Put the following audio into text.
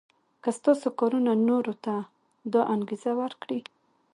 که ستاسو کارونه نورو ته دا انګېزه ورکړي.